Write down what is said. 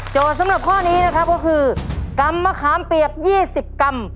สำหรับข้อนี้นะครับก็คือกำมะขามเปียก๒๐กรัม